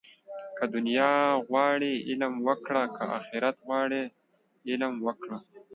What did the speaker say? که دنیا غواړې، علم وکړه. که آخرت غواړې علم وکړه